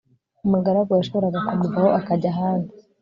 umugaragu yashoboraga kumuvaho akajya ahandi